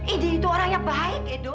id itu orang yang baik edo